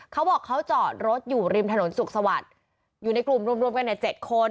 เขาบอกเขาจอดรถอยู่ริมถนนสุขสวัสดิ์อยู่ในกลุ่มรวมกันเนี่ย๗คน